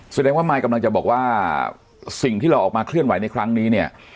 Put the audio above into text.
แสดงว่ามายกำลังจะบอกว่าสิ่งที่เราออกมาเคลื่อนไหวในครั้งนี้เนี่ย